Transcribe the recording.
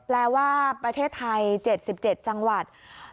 แปลว่าประเทศไทย๗๗จังหวัด